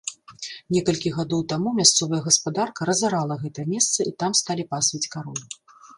Некалькі гадоў таму мясцовая гаспадарка разарала гэта месца і там сталі пасвіць кароў.